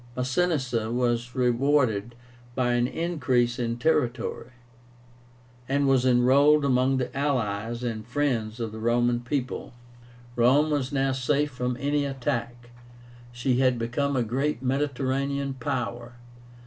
Masinissa was rewarded by an increase in territory, and was enrolled among the "allies and friends of the Roman people." Rome was now safe from any attack. She had become a great Mediterranean power.